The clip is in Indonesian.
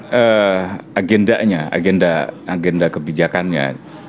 lihat agendanya agenda kebijakannya